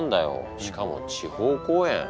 しかも地方公演。